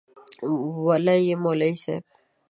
وله يي مولوي صيب